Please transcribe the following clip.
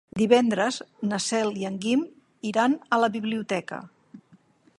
Divendres na Cel i en Guim iran a la biblioteca.